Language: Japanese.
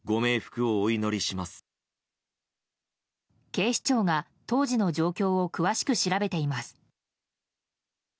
警視庁が当時の状況を詳しく調べています。